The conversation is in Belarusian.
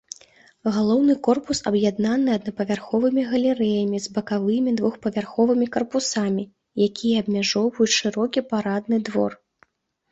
Галоўны корпус аб'яднаны аднапавярховымі галерэямі з бакавымі двухпавярховымі карпусамі, якія абмяжоўваюць шырокі парадны двор.